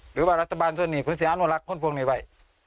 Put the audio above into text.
หรือว่ารัฐบาลส่วนนี้ขออนุญาตพลวงในไว้